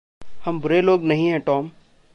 हम बुरे लोग नहीं हैं, टॉम।